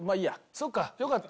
そうかよかった。